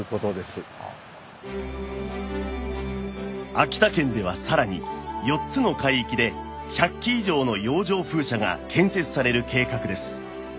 秋田県ではさらに４つの海域で１００基以上の洋上風車が建設される計画です